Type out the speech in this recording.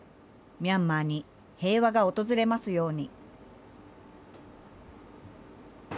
ミャンマーに平和が訪れますように。